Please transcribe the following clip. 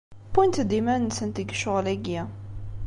Wwint-d iman-nsent deg ccɣel-agi.